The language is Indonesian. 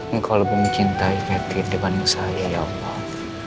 engkau lebih mencintai metin dibanding saya ya allah